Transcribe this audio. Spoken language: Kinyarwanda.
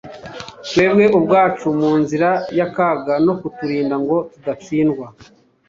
twebwe ubwacu mu nzira y’akaga no kuturinda ngo tudatsindwa.